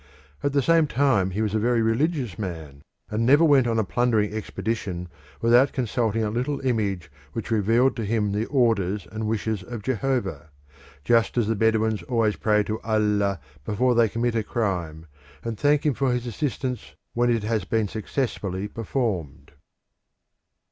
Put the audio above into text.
At the same time, he was a very religious man, and never went on a plundering expedition without consulting a little image which revealed to him the orders and wishes of Jehovah, just as the Bedouins always pray to Allah before they commit a crime, and thank him for his assistance when it has been successfully performed.